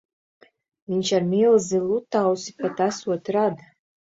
Viņš ar milzi Lutausi pat esot rada.